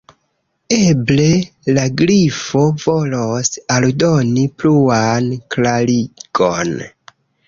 Eble la Grifo volos aldoni pluan klarigon.